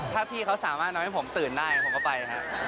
ถ้าพี่เขาสามารถทำให้ผมตื่นได้ผมก็ไปครับ